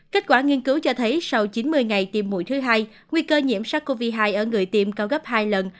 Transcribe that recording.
kết quả nghiên cứu cho thấy sau chín mươi ngày tiêm mùi thứ hai nguy cơ nhiễm sắc covid hai ở người tiêm cao gấp hai lần